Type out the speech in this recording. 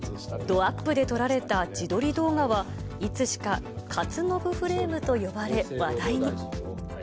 どアップで撮られた自撮り動画は、いつしか、かつのぶフレームと呼ばれ、話題に。